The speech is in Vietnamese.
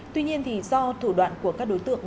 tuy nhiên do thủ đoạn của các đối tượng